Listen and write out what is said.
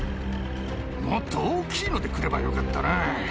もっと大きいので来ればよかったなぁ。